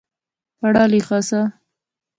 پڑھا لیخا سا